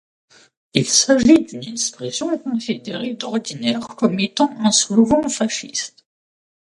Il s'agit d'une expression considérée d'ordinaire comme étant un slogan fasciste.